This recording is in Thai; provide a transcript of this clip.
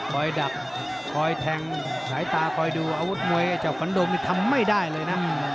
ดักคอยแทงสายตาคอยดูอาวุธมวยไอ้เจ้าขวัญโดมนี่ทำไม่ได้เลยนะ